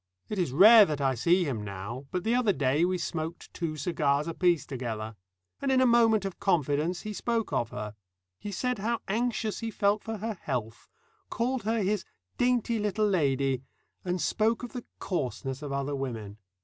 It is rare that I see him now, but the other day we smoked two cigars apiece together. And in a moment of confidence he spoke of her. He said how anxious he felt for her health, called her his "Dainty Little Lady," and spoke of the coarseness of other women.